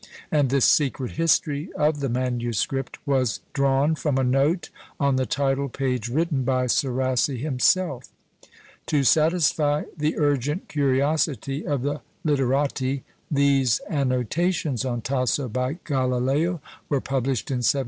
and this secret history of the manuscript was drawn from a note on the title page written by Serassi himself. To satisfy the urgent curiosity of the literati, these annotations on Tasso by Galileo were published in 1793.